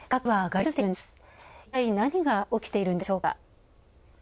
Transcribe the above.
いったい何が起きているのでしょうか。